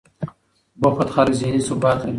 بوخت خلک ذهني ثبات لري.